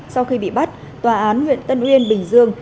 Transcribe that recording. sau khi bị bắt tòa án huyện tân uyên bình dương